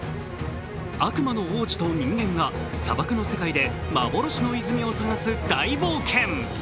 悪魔の王子と人間が砂漠の世界で幻の泉を探す大冒険。